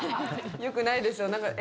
よくないですよ。